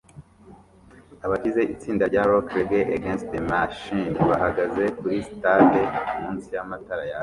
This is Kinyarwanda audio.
Abagize itsinda rya rock Rage Against the Machine bahagaze kuri stade munsi yamatara yaka